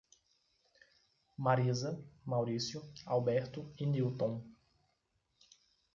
Marisa, Maurício, Alberto e Nilton